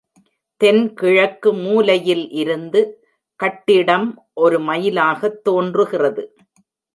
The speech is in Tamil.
தென்கிழக்கு மூலையில் இருந்து, கட்டிடம் ஒரு மயிலாக தோன்றுகிறது.